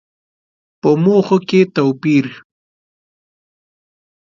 په موخو کې توپير.